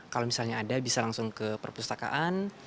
kalau misalnya ada bisa langsung ke perpustakaan